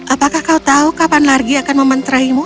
apakah kau tahu kapan lagi akan mementeraimu